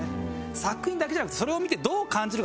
作品だけじゃなくてそれを見てどう感じるか。